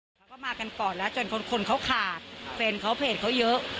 เขาก็มากันก่อนแล้วจนคนเขาขาดแฟนเขาเพจเขาเยอะ